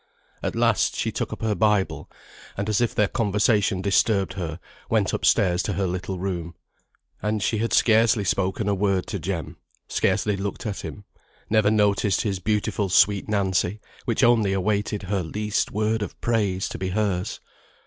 At last she took up her Bible, and as if their conversation disturbed her, went up stairs to her little room. And she had scarcely spoken a word to Jem; scarcely looked at him; never noticed his beautiful sweet Nancy, which only awaited her least word of praise to be hers!